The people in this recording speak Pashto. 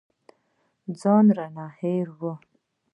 ځان رانه هېر و.